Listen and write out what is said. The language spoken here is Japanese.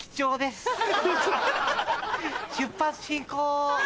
出発進行。